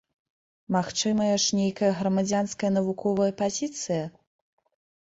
Магчымая ж нейкая грамадзянская, навуковая пазіцыя?